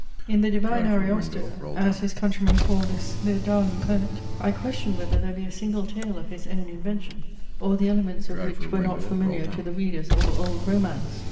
In the divine Ariosto, (as his countrymen call this, their darling poet,) I question whether there be a single tale of his own invention, or the elements of which, were not familiar to the readers of "old romance."